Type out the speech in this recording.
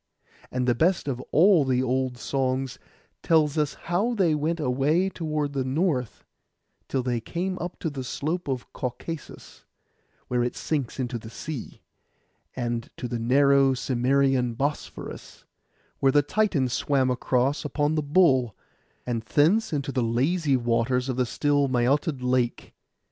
And the best of all the old songs tells us how they went away toward the North, till they came to the slope of Caucasus, where it sinks into the sea; and to the narrow Cimmerian Bosphorus, {130b} where the Titan swam across upon the bull; and thence into the lazy waters of the still Mæotid lake.